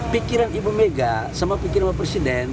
pikiran ibu mega sama pikiran bapak presiden